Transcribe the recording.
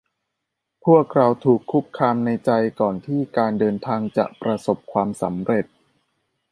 พวกเราถูกคุกคามในใจก่อนที่การเดินทางจะประสบความสำเร็จ